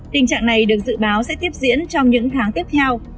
tình trạng này được dự báo sẽ tiếp diễn trong những tháng tiếp theo